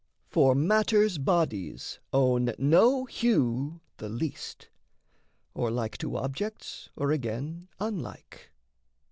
For matter's bodies own no hue the least Or like to objects or, again, unlike.